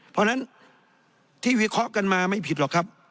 เพราะฉะนั้นที่วิเคราะห์กันมาไม่ผิดหรอกครับ